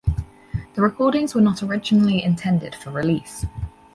The recordings were not originally intended for release.